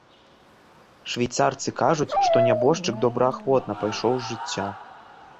Швейцарцы кажуць, што нябожчык добраахвотна пайшоў з жыцця.